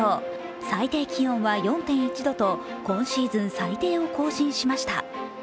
最低気温は４．１度と今シーズン最低を更新しました。